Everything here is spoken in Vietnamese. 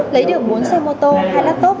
lấy được bốn xe mô tô hai laptop